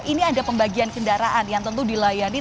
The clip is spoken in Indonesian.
ini ada pembagian kendaraan yang tentu dilayani